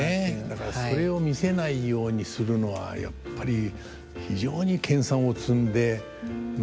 だからそれを見せないようにするのはやっぱり非常に研鑽を積んでやらないと。